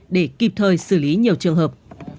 để kịp thời xử lý nhiều trường hợp